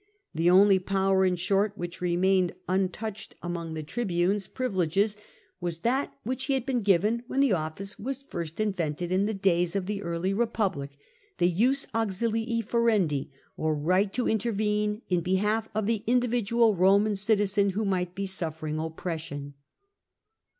The only power, in short, which remained untouched among the tribune's SULLA'S LEX ANN ALLS 15 1 privileges, was that which he had been given when the office was first invented in the days of the early Eepuhlic, the jus auodlii ferendi, or right to intervene in behalf of the individual Koman citizen who might be suffering oppression.